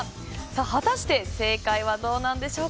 果たして正解はどうなんでしょう。